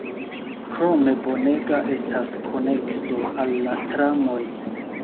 Krome bonega estas konekso al la tramoj.